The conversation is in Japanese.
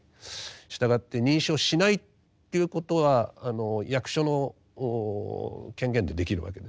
従って認証しないということは役所の権限でできるわけです。